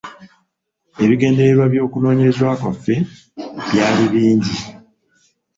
Ebigendererwa by’okunoonyereza kwaffe byali bingi.